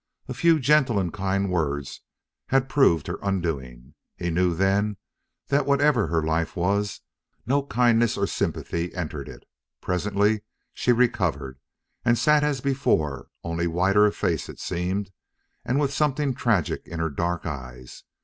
A few gentle and kind words had proved her undoing. He knew then that whatever her life was, no kindness or sympathy entered it. Presently she recovered, and sat as before, only whiter of face it seemed, and with something tragic in her dark eyes.